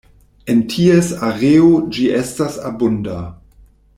En ties areo ĝi estas abunda.